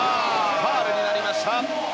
ファウルになりました。